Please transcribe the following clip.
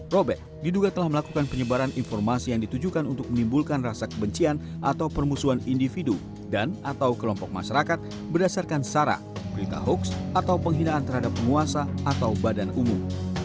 robert diduga telah melakukan penyebaran informasi yang ditujukan untuk menimbulkan rasa kebencian atau permusuhan individu dan atau kelompok masyarakat berdasarkan sara berita hoax atau penghinaan terhadap penguasa atau badan umum